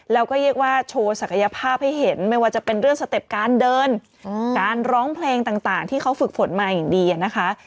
แล้วก็เรียกว่าโชว์ศักยภาพให้เห็นไม่ว่าจะเป็นเรื่องสเต็ปการเดินการร้องเพลงต่างที่เขาฝึกฝนมาอย่างดีนะคะ